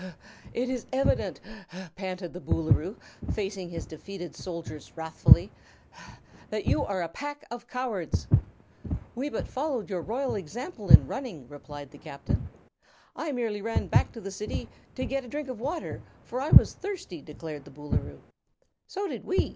"It is evident," panted the Boolooroo, facing his defeated soldiers wrathfully, "that you are a pack of cowards!" "We but followed your own royal example in running," replied the Captain. "I merely ran back to the City to get a drink of water, for I was thirsty," declared the Boolooroo. "So did we!